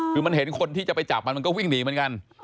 คือมันเห็นคนที่จะไปจับมันมันก็วิ่งหนีเหมือนกัน